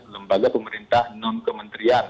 lembaga pemerintah non kementerian